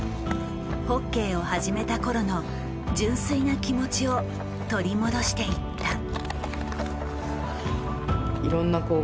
ホッケーを始めた頃の純粋な気持ちを取り戻していった。